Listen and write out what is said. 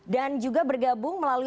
dan juga bergabung melalui